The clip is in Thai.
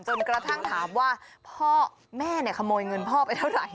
จนกระทั่งถามว่าพ่อแม่ขโมยเงินพ่อไปเท่าไหร่